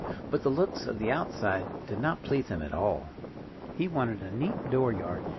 But the looks of the outside did not please him at all. He wanted a neat dooryard.